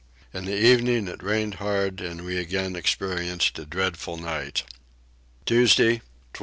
In the evening it rained hard and we again experienced a dreadful night. Tuesday 12.